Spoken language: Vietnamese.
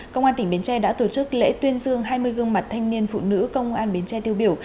công an tỉnh bến tre đã tổ chức lễ tuyên dương hai mươi gương mặt thanh niên phụ nữ công an bến tre tiêu biểu